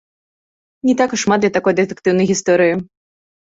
Не так і шмат для такой дэтэктыўнай гісторыі.